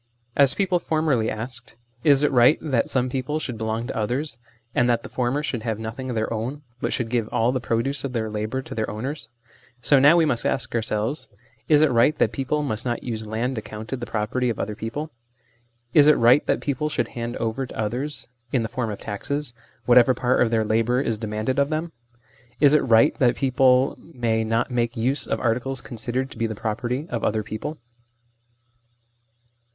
As people formerly asked, Is it right that some people should belong to others, and that the former should have nothing of their own, but should give all the produce of their labour to their owners ? so now we must ask ourselves, Is it right that people must not use land accounted the property of other people ? is it right that people should hand over to others, in the form of taxes, whatever part of their labour is de manded of them ? Is it right that people may LAWS CONCERNING TAXES, ETC. 77 not make use of articles considered to be the property of other people